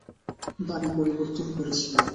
বাড়ী পরিবর্তন করেছিলাম।